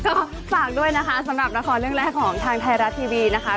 ก็ฝากด้วยนะคะสำหรับละครเรื่องแรกของทางไทยรัฐทีวีนะคะ